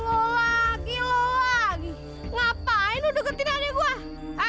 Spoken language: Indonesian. lo lagi lo lagi ngapain lo deketin adek gua